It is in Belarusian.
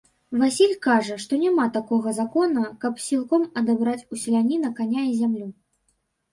Васіль кажа, што няма такога закона, каб сілком адабраць у селяніна каня і зямлю.